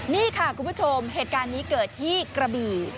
นี่ค่ะคุณผู้ชมเหตุการณ์นี้เกิดที่กระบี่